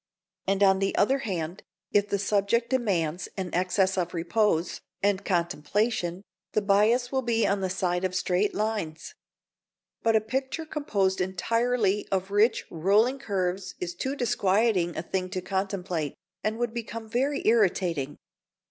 And on the other hand, if the subject demands an excess of repose and contemplation, the bias will be on the side of straight lines. But a picture composed entirely of rich, rolling curves is too disquieting a thing to contemplate, and would become very irritating.